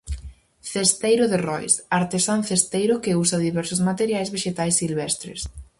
Cesteiro de Rois: artesán cesteiro que usa diversos materias vexetais silvestres.